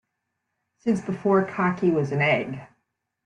Since before cocky was an egg.